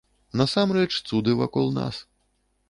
Насамрэч цуды вакол нас.